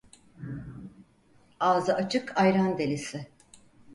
Ağzı açık ayran delisi.